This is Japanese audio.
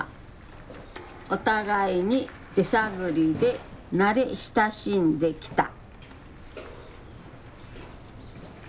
お互いに手探りで慣れ親しんできた。